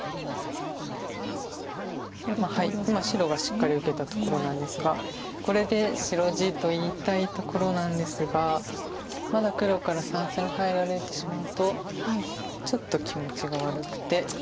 今白がしっかり受けたところなんですがこれで白地と言いたいところなんですがまだ黒から三々に入られてしまうとちょっと気持ちが悪くて。